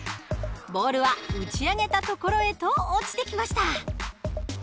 ボールは打ち上げた所へと落ちてきました。